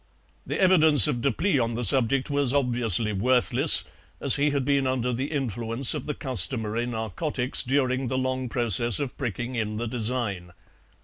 The evidence of Deplis on the subject was obviously worthless, as he had been under the influence of the customary narcotics during the long process of pricking in the design.